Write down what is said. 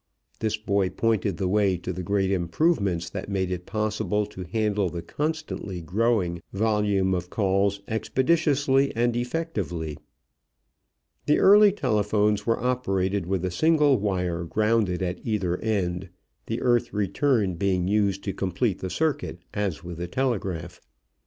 This boy pointed the way to the great improvements that made it possible to handle the constantly growing volume of calls expeditiously and effectively. The early telephones were operated with a single wire grounded at either end, the earth return being used to complete the circuit as with the telegraph.